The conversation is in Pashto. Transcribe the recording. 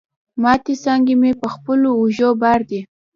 ماتي څانګي مي په خپلو اوږو بار دي